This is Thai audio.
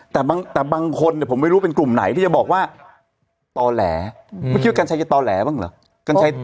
แต่บางคนเนี่ยผมไม่รู้เป็นกลุ่มไหนที่จะบอกว่าต่อแหลเมื่อกี้ว่ากัญชัยจะต่อแหลบ้างเหรอ